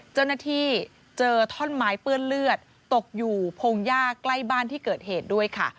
เจ้าหน้าที่เจอท่อนไม้เปื้อนเลือดตกอยู่พงหญ้าใกล้บ้านที่เกิดเหตุด้วยค่ะ